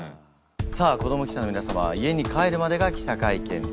さあ子ども記者の皆様は家に帰るまでが記者会見です。